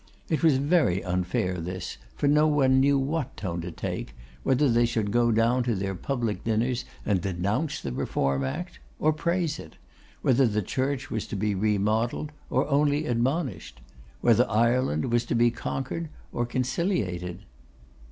It was very unfair this; for no one knew what tone to take; whether they should go down to their public dinners and denounce the Reform Act or praise it; whether the Church was to be re modelled or only admonished; whether Ireland was to be conquered or conciliated.